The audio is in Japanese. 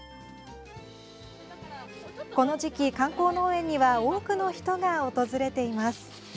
この時期、観光農園には多くの人が訪れています。